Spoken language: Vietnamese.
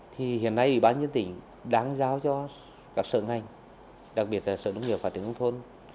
thì hiện nay ủy ban nhân dân tỉnh đáng giáo cho các sở ngành đặc biệt là sở nông nghiệp và tỉnh nông thôn